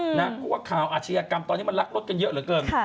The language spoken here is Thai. เพราะว่าข่าวอาชญากรรมตอนนี้มันรักรถกันเยอะเหลือเกิน